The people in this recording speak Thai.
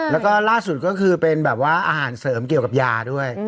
แล้วก็ล่าสุดก็คือเป็นแบบว่าอาหารเสริมเกี่ยวกับยาด้วย